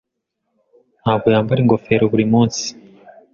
ntabwo yambara ingofero buri munsi.